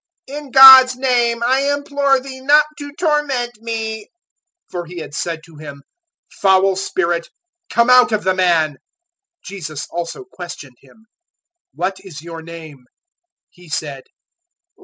In God's name I implore Thee not to torment me." 005:008 For He had said to him, "Foul spirit, come out of the man." 005:009 Jesus also questioned him. "What is your name?" He said.